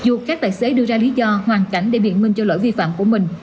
dù các tài xế đưa ra lý do hoàn cảnh để biện minh cho lỗi vi phạm của mình